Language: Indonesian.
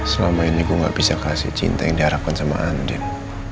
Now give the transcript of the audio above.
selama ini gue gak bisa kasih cinta yang diharapkan sama andin